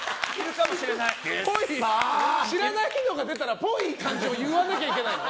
知らないのが出たらっぽい感じを言わなきゃいけないの？